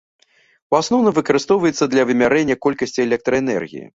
У асноўным выкарыстоўваецца для вымярэння колькасці электраэнергіі.